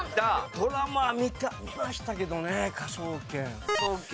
ドラマ見ましたけどね『科捜研』。